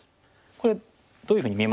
これどういうふうに見えます？